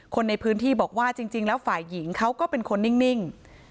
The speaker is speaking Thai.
คนในพื้นที่บอกว่าจริงแล้วฝ่ายหญิงเขาก็เป็นคนนิ่ง